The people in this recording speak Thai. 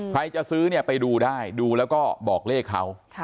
ใครจะซื้อเนี่ยไปดูได้ดูแล้วก็บอกเลขเขา